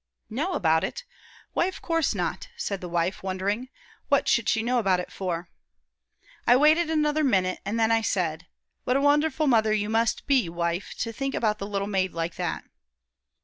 "'Know about it? Why, of course not,' said the wife, wondering. 'What should she know about it for?' "I waited another minute, an' then I said: 'What a wonderful mother you must be, wifie, to think about the little maid like that!'